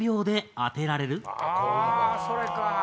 あそれか。